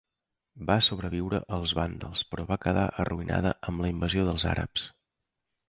Va sobreviure als vàndals, però va quedar arruïnada amb la invasió dels àrabs.